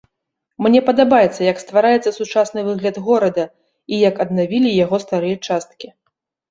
Мне падабаецца, як ствараецца сучасны выгляд горада і як аднавілі яго старыя часткі.